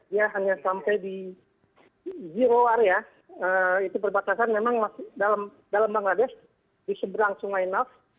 dia hanya sampai di zero area itu perbatasan memang dalam bangladesh di seberang sungai nauf